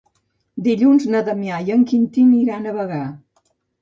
Dilluns na Damià i en Quintí iran a Bagà.